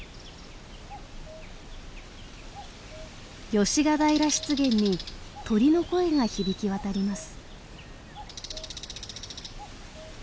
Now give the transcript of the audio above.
芳ヶ平湿原に鳥の声が響き渡ります。